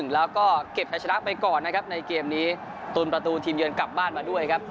แล้วก็เก็บใช้ชนะไปก่อนนะครับในเกมนี้ตุนประตูทีมเยือนกลับบ้านมาด้วยครับ